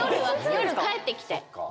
夜帰ってきて。